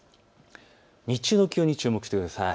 日中の気温に注目してください。